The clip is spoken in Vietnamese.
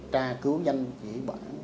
tra cứu nhanh